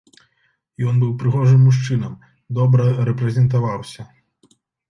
Ён быў прыгожым мужчынам, добра рэпрэзентаваўся.